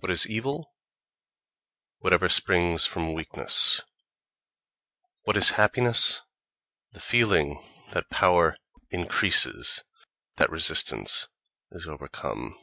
What is evil?—Whatever springs from weakness. What is happiness?—The feeling that power increases—that resistance is overcome.